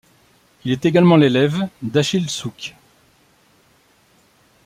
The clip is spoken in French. Il est également l'élève d'Achille Souques.